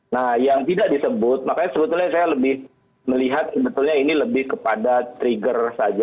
nah yang tidak disebut makanya sebetulnya saya lebih melihat sebetulnya ini lebih kepada trigger saja